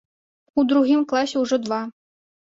У другім класе ўжо два.